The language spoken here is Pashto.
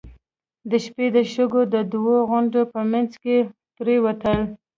د شپې د شګو د دوو غونډيو په مينځ کې پرېوتل.